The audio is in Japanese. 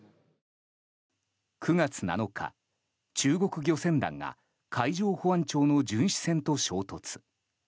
９月７日、中国漁船団が海上保安庁の巡視船と衝突。